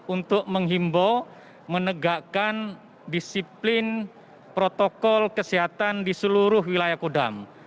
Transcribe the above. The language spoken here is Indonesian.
untuk menghimbau menegakkan disiplin protokol kesehatan di seluruh wilayah kodam